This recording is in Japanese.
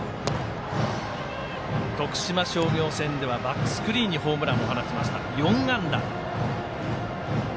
徳島商業戦ではバックスクリーンにヒットを放ちました、４安打。